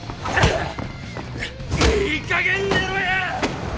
いいかげん寝ろや！